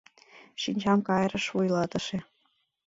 — Шинчам карыш вуйлатыше.